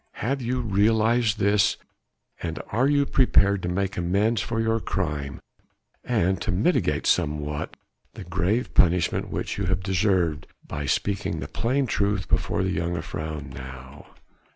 Have you realized this, and are you prepared to make amends for your crime and to mitigate somewhat the grave punishment which you have deserved by speaking the plain truth before the jongejuffrouw now?"